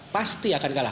pasti akan kalah